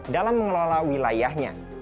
dalam mengelola wilayahnya